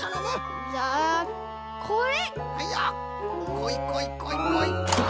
こいこいこいこい。